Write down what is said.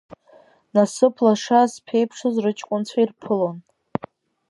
Насыԥ лаша зԥеиԥшыз рыҷкәынцәа ирԥылон.